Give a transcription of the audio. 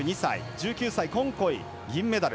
１９歳、コンコイ、銀メダル。